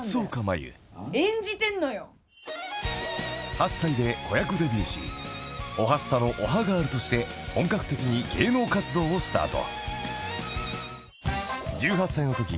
［８歳で子役デビューし『おはスタ』のおはガールとして本格的に芸能活動をスタート］